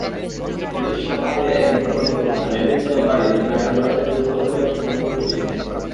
British সেনাবাহিনীর একজন কর্মকর্তা, নেভিল চেম্বারলিন, খেলাটি ভারতের জব্বলপুরে বসে প্রথম খেলেছিলেন।